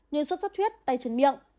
như suốt suốt huyết tay chân miệng